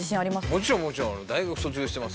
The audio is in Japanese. もちろんもちろんある。